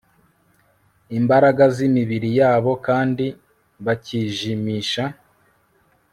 imbaraga zimibiri yabo kandi bakijimisha